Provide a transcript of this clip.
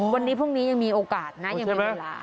วันนี้พรุ่งนี้ยังมีโอกาสนะยังมีเวลา